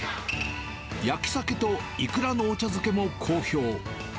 焼きサケといくらのお茶漬けも好評。